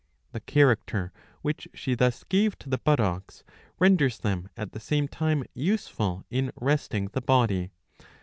The character which she thus gave to the buttocks renders them at the same time useful in resting the body.